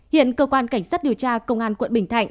hiện cơ quan cảnh sát điều tra công an quận bình thạnh